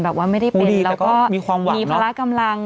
แบบว่าไม่ได้เป็นแล้วก็มีพละกำลัง